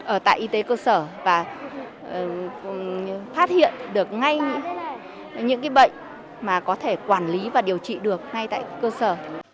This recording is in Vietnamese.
ở tại y tế cơ sở và phát hiện được ngay những bệnh mà có thể quản lý và điều trị được ngay tại cơ sở